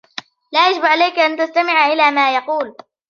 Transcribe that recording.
لا يجب عليك أن تستمع إلی ما يقول.